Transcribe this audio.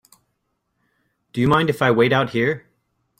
Do you mind if I wait out here?